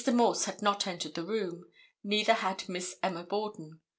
Morse had not entered the room. Neither had Miss Emma Borden.